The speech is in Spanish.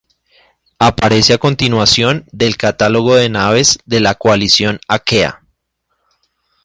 Aparece a continuación del catálogo de naves de la coalición aquea.